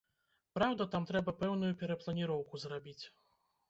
Праўда, там трэба пэўную перапланіроўку зрабіць.